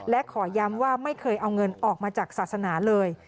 และขอย้ำว่าไม่เคยเอาเงินออกมาจากศาสนาเลย